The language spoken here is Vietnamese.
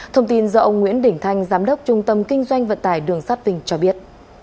thông tin do ông nguyễn đình thanh giám đốc trung tâm kinh doanh vận tải đường sắt vinh cho biết